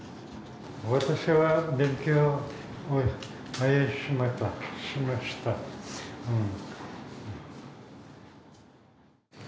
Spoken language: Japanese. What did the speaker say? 私は勉強をいっぱいしましたしましたうん・